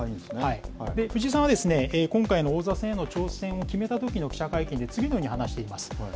藤井さんは、今回の王座戦への挑戦を決めたときの記者会見で次のように話しています。